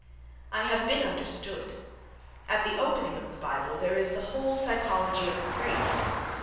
—I have been understood. At the opening of the Bible there is the whole psychology of the priest.